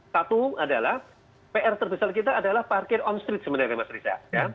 satu adalah pr terbesar kita adalah parkir on street sebenarnya mas riza